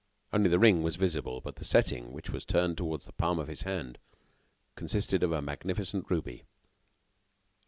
Only the ring was visible; but the setting, which was turned toward the palm of his hand, consisted of a magnificent ruby.